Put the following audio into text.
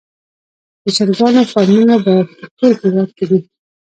د چرګانو فارمونه په ټول هیواد کې دي